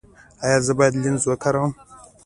ایا زه باید لینز وکاروم؟